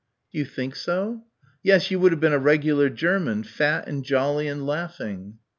"D'you think so?" "Yes, you would have been a regular German, fat and jolly and laughing."